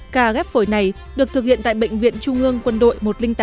ca ghép phổi này được thực hiện tại bệnh viện trung ương quân đội một trăm linh tám